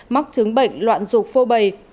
móc chứng bệnh loạn rục phô bầy